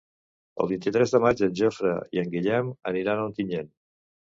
El vint-i-tres de maig en Jofre i en Guillem aniran a Ontinyent.